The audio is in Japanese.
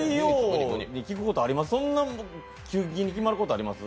水曜、急に決まることあります？